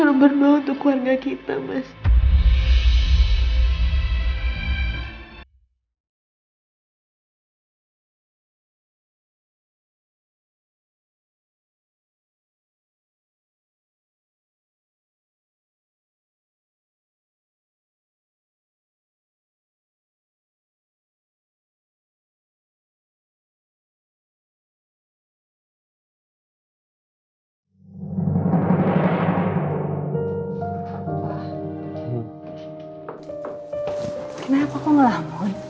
kenapa kau ngelamun